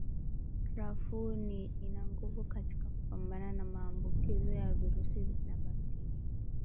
Krafuu ina nguvu katika kupambana na maambukizo ya virusi na bakteria